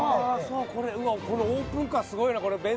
これオープンカーすごいな。